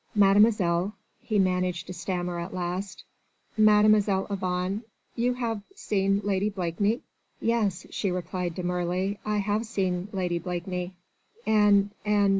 "Mademoiselle ..." he managed to stammer at last. "Mademoiselle Yvonne ... you have seen Lady Blakeney?" "Yes," she replied demurely, "I have seen Lady Blakeney." "And ... and